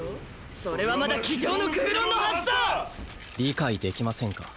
それはまだ机上の空論のはずだ理解できませんか？